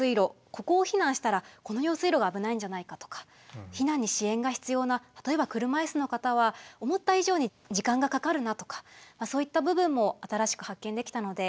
ここを避難したらこの用水路が危ないんじゃないかとか避難に支援が必要な例えば車いすの方は思った以上に時間がかかるなとか。